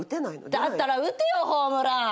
だったら打てよホームラン。